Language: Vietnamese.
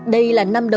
đây là năm đầu